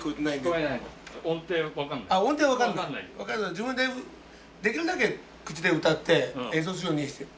自分でできるだけ口で歌って演奏するようにしてる。